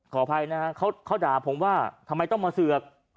ขออภัยนะฮะเขาด่าผมว่าทำไมต้องมาเสือก